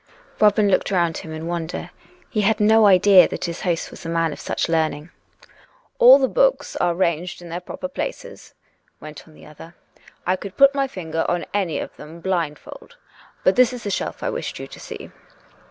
Robin looked round him in wonder: he had no idea that his host was a man of such learning. " All the books are ranged in their proper places," went on the other. " I could put my finger on any of them blind fold. But this is the shelf I wished you to see."